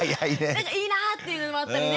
なんかいいなぁっていうのもあったりね。